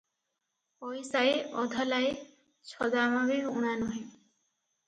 ପଇସାଏ, ଅଧଲାଏ, ଛଦାମ ବି ଊଣା ନୁହେଁ ।